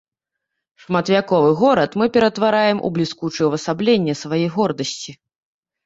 Шматвяковы горад мы ператвараем у бліскучае ўвасабленне сваёй гордасці.